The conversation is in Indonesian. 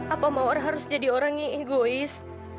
apa mawar harus jadi orang nih egois